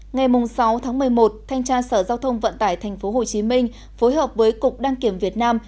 ngày sáu tháng một mươi một thanh tra sở giao thông vận tải tp hcm phối hợp với cục đăng kiểm việt nam